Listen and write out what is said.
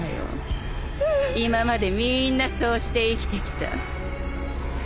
今までみーんなそうして生きてきた。